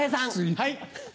はい。